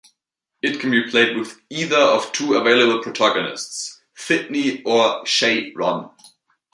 It can be played with either of two available protagonists, Thidney or Sha-ron.